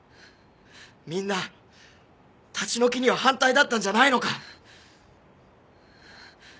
みんな立ち退きには反対だったんじゃないのか？